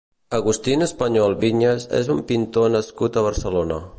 Agustín Español Viñas és un pintor nascut a Barcelona.